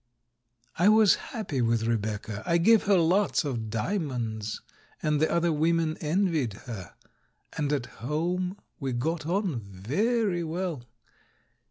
... I was happy with Rebecca. I gave her lots of diamonds, and the other women envied her ; and at home we got on very well.